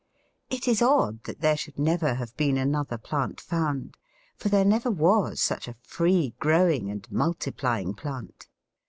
It is odd that there should never have been another plant found, for there never was such a free growing and multiplying plant.